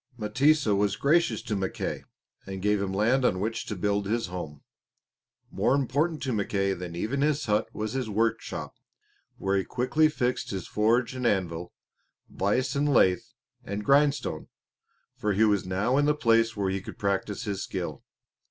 M'tesa was gracious to Mackay, and gave him land on which to build his home. More important to Mackay than even his hut was his workshop, where he quickly fixed his forge and anvil, vise and lathe, and grindstone, for he was now in the place where he could practise his skill.